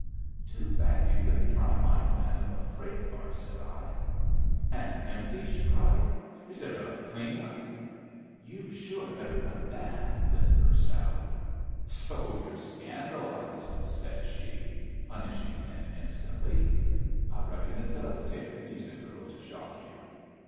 "Too bad you couldn't try my plan of a freight car!" said I. "An empty?" she cried. "Is there a clean one?" "You've sure never done that?" Lin burst out. "So you're scandalized," said she, punishing him instantly. "I reckon it does take a decent girl to shock you."